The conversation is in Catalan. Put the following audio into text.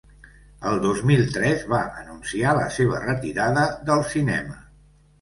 El dos mil tres va anunciar la seva retirada del cinema.